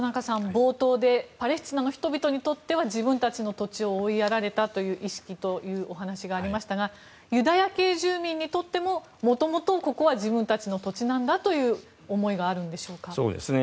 冒頭で、パレスチナの人々にとっては自分たちの土地が追いやられたという意識というお話がありましたがユダヤ系住民にとってももともと、ここは自分たちの土地なんだという思いがあるんでしょうか。